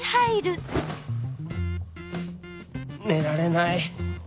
寝られない